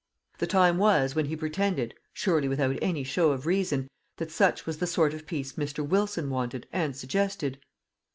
"_ The time was when he pretended surely without any show of reason that such was the sort of peace Mr. Wilson wanted and suggested.